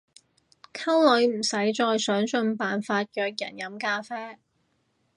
溝女唔使再想盡辦法約人飲咖啡